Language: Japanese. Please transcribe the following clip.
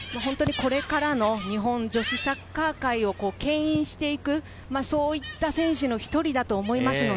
これからの日本女子サッカー界をけん引していく、そういった選手の一人だと思います。